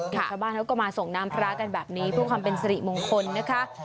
ชาวบ้านเขาก็มาส่งน้ำพระกันแบบนี้เพื่อความเป็นสิริมงคลนะคะ